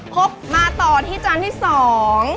พบมาต่อที่จานที่สอง